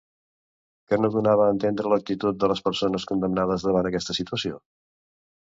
Què no donava a entendre l'actitud de les persones condemnades davant aquesta situació?